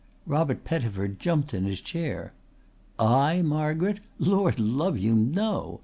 Robert Pettifer jumped in his chair. "I, Margaret! Lord love you, no!